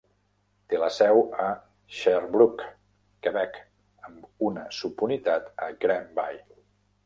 Té la seu a Sherbrooke, Quebec, amb una subunitat a Granby.